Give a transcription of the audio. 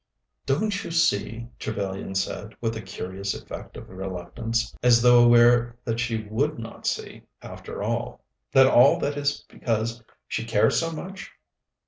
"Don't you see," Trevellyan said, with a curious effect of reluctance, as though aware that she would not see, after all, "that all that is because she cares so much?"